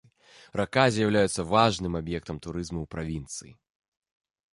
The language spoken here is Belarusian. Рака з'яўляецца важным аб'ектам турызму ў правінцыі.